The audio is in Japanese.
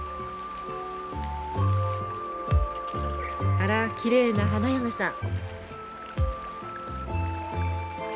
あらきれいな花嫁さん。